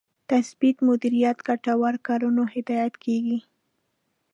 تثبیت مدیریت ګټورو کړنو هدایت کېږي.